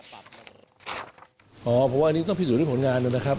เพราะว่าอันนี้ต้องพิสูจนด้วยผลงานนะครับ